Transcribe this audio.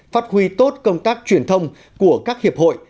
phát huy tốt công tác truyền thông của các hiệp hội